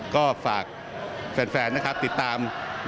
ก็ฝากแฟนนะครับติดตาม